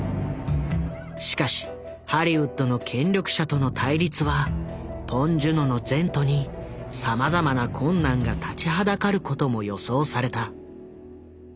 しかしハリウッドの権力者との対立はポン・ジュノの前途にさまざまな困難が立ちはだかることも予想された。